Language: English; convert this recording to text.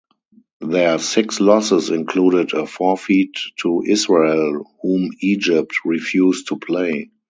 Their six losses included a forfeit to Israel, whom Egypt refused to play.